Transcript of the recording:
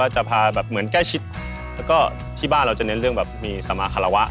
จะพาแบบเกล้าชิดและก็ที่บ้านจะเน้นเรื่องสมาฆราวะ